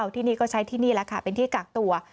ที่นี่ก็ใช้ที่นี่แหละค่ะเป็นที่กักตัว